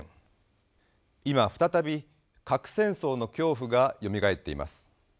今再び核戦争の恐怖がよみがえっています。